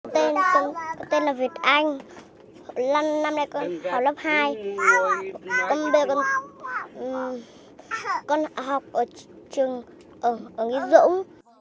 tên là việt anh năm nay con học lớp hai con học ở trường ở nghĩa dũng